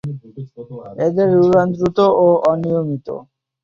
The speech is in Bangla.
এদের উড়ান দ্রুত ও অনিয়মিত।